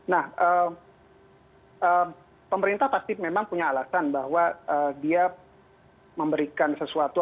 nah pemerintah pasti memang punya alasan bahwa dia memberikan sesuatu